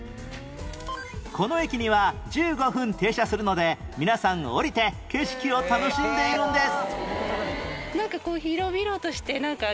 この駅には１５分停車するので皆さん降りて景色を楽しんでいるんです